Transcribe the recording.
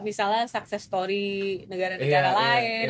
misalnya sukses story negara negara lain